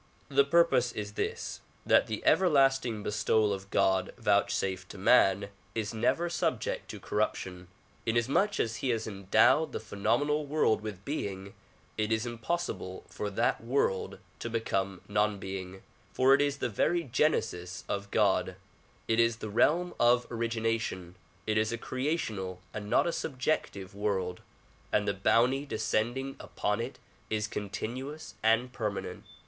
The purpose is this; — that the everlasting bestowal of God vouchsafed to man is never subject to corruption. Inasmuch as he has endowed the phenomenal world with being, it is impossible for that world to become non being, for it is the very genesis of God ; it is in the realm of origination ; it is a creational and not a subjective world, and the bounty descending upon it is continuous and permanent.